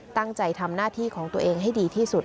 ตั้งใจทำหน้าที่ของตัวเองให้ดีที่สุด